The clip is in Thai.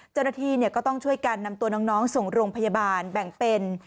เจ้าหน้าที่ก็ต้องช่วยกันนำตัวน้องส่งโรงพยาบาลแบ่งเป็น